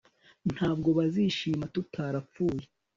Ntabwo bazishima tutarapfuye